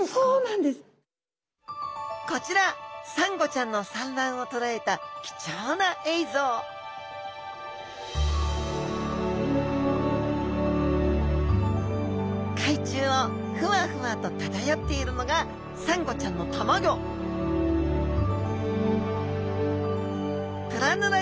こちらサンゴちゃんの産卵を捉えた貴重な映像海中をふわふわと漂っているのがサンゴちゃんのたまギョプラヌラ